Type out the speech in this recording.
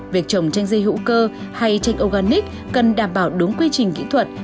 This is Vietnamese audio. việc chồng chanh dây hữu cơ hay chanh organic cần đảm bảo đúng quy trình kỹ thuật